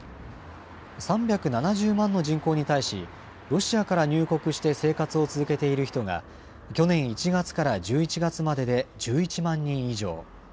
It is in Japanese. ３７０万の人口に対し、ロシアから入国して生活を続けている人が、去年１月から１１月までで１１万人以上。